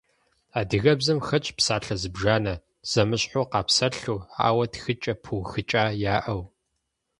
Адыгэбзэм хэтщ псалъэ зыбжанэ, зэмыщхьу къапсэлъу, ауэ тхыкӏэ пыухыкӏа яӏэу.